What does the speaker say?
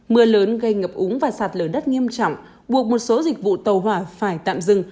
mưa lớn gây ngập úng và sạt lở đất nghiêm trọng buộc một số dịch vụ tàu hỏa phải tạm dừng